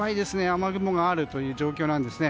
雨雲があるという状況なんですね。